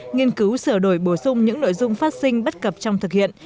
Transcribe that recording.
nghiên cứu sửa đổi bổ sung những nội dung phát sinh bất cập trong thực hiện